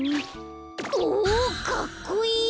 おかっこいい！